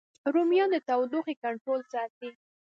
رومیان د تودوخې کنټرول ساتي